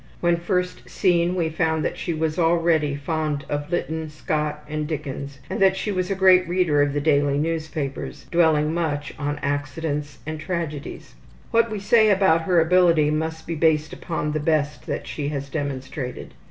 When first seen we found that she was already fond of Lytton, Scott, and Dickens, and that she was a great reader of the daily newspapers, dwelling much on accidents and tragedies. What we say about her ability must be based upon the best that she has demonstrated.